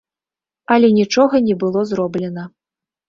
Але нічога не было зроблена.